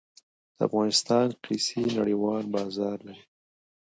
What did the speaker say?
د افغانستان قیسی نړیوال بازار لري